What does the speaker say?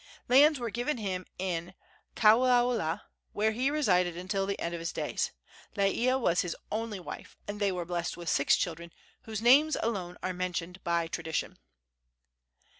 Lands were given him in Kauaula, where he resided until the end of his days. Laiea was his only wife, and they were blessed with six children, whose names alone are mentioned by tradition.